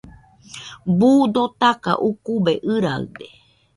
Buu dotaka ukube ɨraɨde